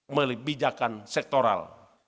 melalui bijakan sektoral